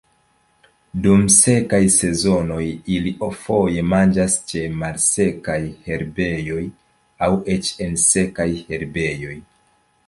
Dum sekaj sezonoj, ili foje manĝas ĉe malsekaj herbejoj aŭ eĉ en sekaj herbejoj.